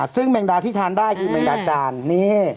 ซึ่งแมงดาที่ทานได้คือแมงดาจานนี่